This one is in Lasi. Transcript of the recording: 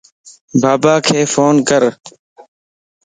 باباک فون ڪَر